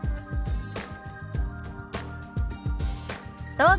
どうぞ。